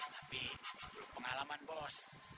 tapi belum pengalaman bos